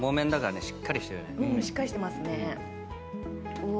しっかりしてますね。